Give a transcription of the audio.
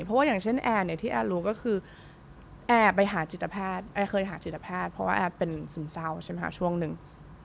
เพราะว่าอย่างเช่นแอร์เนี่ยที่แอร์รู้ก็คือแอร์ไปหาจิตแพทย์เคยหาจิตแพทย์เพราะว่าแอร์เป็นซึมเศร้าใช่ไหมคะช่วงหนึ่ง